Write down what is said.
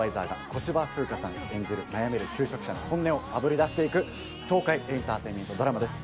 悩める求職者の本音をあぶり出していく爽快エンターテインメントドラマです。